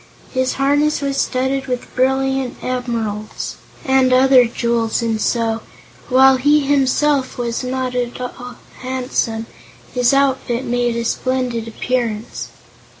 His harness was studded with brilliant emeralds and other jewels and so, while he himself was not at all handsome, his outfit made a splendid appearance.